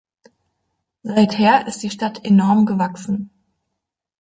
Seither ist die Stadt enorm gewachsen.